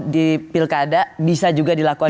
di pilkada bisa juga dilakukan